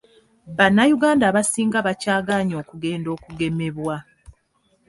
Bannayuganda abasinga bakyagaanye okugenda okugemebwa.